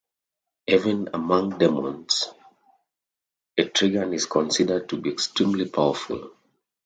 Even among demons, Etrigan is considered to be extremely powerful.